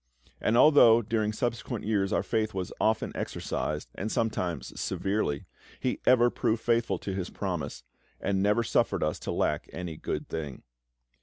And although during subsequent years our faith was often exercised, and sometimes severely, He ever proved faithful to His promise, and never suffered us to lack any good thing.